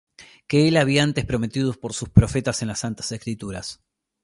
Que él había antes prometido por sus profetas en las santas Escrituras,